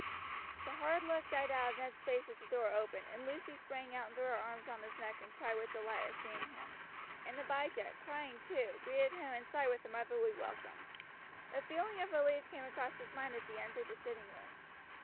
The hard look died out of Ned's face as the door opened, and Lucy sprang out and threw her arms round his neck and cried with delight at seeing him; and Abijah, crying too, greeted him inside with a motherly welcome. A feeling of relief came across his mind as he entered the sitting room.